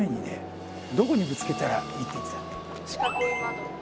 四角い窓。